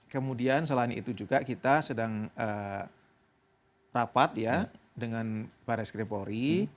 kemudian selain itu juga kita sedang rapat ya dengan baris krim polri